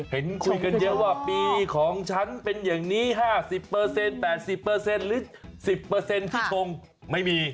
เห็นคุยกันเยอะว่าปีของฉันเป็นอย่างนี้๕๐๘๐หรือ๑๐ที่ทงไม่มี